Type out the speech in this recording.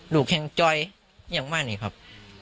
แข็งจอยอย่างมากนี่ครับ